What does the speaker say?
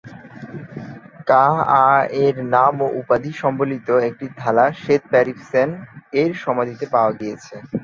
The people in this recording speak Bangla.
কা'আ'-এর নাম ও উপাধি সম্বলিত একটি থালা শেথ-পেরিবসেন এর সমাধিতে পাওয়া গিয়েছে।